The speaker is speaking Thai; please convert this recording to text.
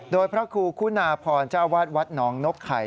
โดยพระครูคุณาพรเจ้าวาดวัดหนองนกไข่